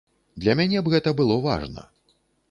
Для мяне б гэта было важна.